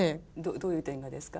どういう点がですか？